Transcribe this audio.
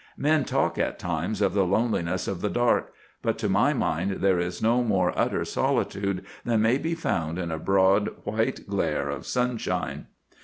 Men talk at times of the loneliness of the dark, but to my mind there is no more utter solitude than may be found in a broad white glare of sunshine.